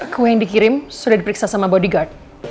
kue yang dikirim sudah diperiksa sama bodyguard